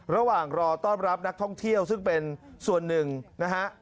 ระหว่างรอต้อนรับนักท่องเที่ยวซึ่งเป็นส่วนหนึ่งนะฮะ